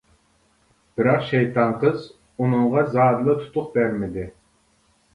بىراق شەيتان قىز ئۇنىڭغا زادىلا تۇتۇق بەرمىدى.